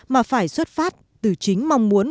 mà phải xuất phát từ chính mong muốn